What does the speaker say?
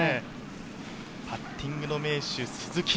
パッティングの名手・鈴木。